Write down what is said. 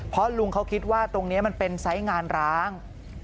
เพราะลุงเขาคิดว่าตรงนี้มันเป็นไซส์งานร้าง